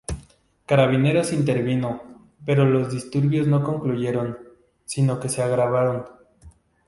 Carabineros intervino, pero los disturbios no concluyeron, sino que se agravaron.